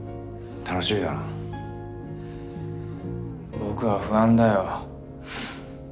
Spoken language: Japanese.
僕は不安だよ。